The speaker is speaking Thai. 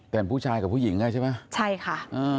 แต่ผู้ชายกับผู้หญิงอ่ะใช่ไหมใช่ค่ะ